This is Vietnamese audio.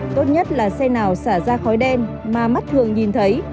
tốt nhất là xe nào xả ra khói đen mà mắt thường nhìn thấy